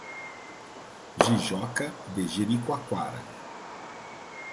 Jijoca de Jericoacoara